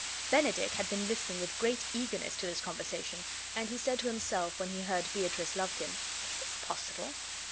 Benedick had been listening with great eagerness to this conversation; and he said to himself, when be heard Beatrice loved him: "Is it possible?